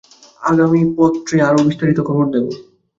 আগামী পত্রে আরও বিস্তারিত খবর দেব।